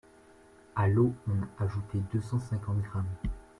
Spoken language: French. A l'eau on a ajouté deux cent cinquante gr.